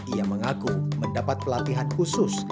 ia mengaku mendapat pelatihan khusus